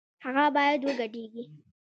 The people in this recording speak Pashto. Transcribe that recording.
هغه بايد وګډېږي